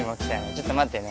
ちょっと待ってね。